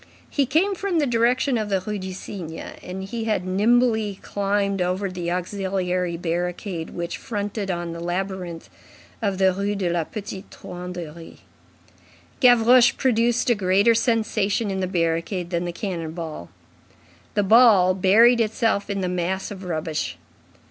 He came from the direction of the Rue du Cygne, and he had nimbly climbed over the auxiliary barricade which fronted on the labyrinth of the Rue de la Petite Truanderie. Gavroche produced a greater sensation in the barricade than the cannon ball. The ball buried itself in the mass of rubbish.